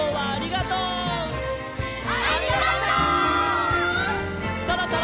ありがとう！